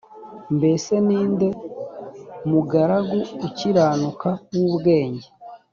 mbese ni nde mugaragu ukiranuka w ubwenge